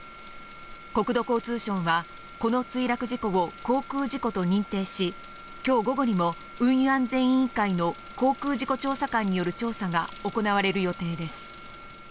国土交通省はこの墜落事故を航空事故と認定し、今日午後にも運輸安全委員会の航空事故調査官による調査が行われる予定です。